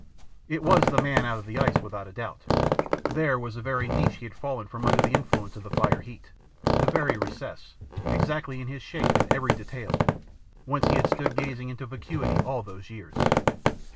It was the man out of the ice without a doubt. There was the very niche he had fallen from under the influence of the fire heat, the very recess, exactly in his shape in every detail, whence he had stood gazing into vacuity all those years.